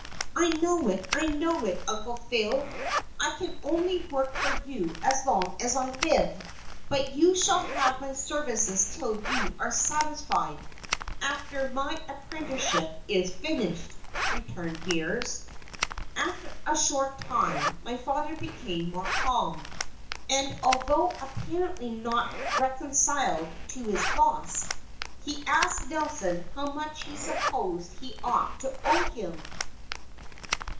"I know it, I know it, Uncle Phile; I can only work for you as long as I live, but you shall have my services till you are satisfied after my apprenticeship is finished," returned Beers. After a short time my father became more calm, and, although apparently not reconciled to his loss, he asked Nelson how much he supposed he ought to owe him.